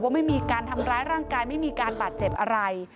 ไม่มีการทำร้ายร่างกายไม่มีการบาดเจ็บอะไร